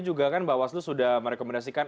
juga kan mbak waslu sudah merekomendasikan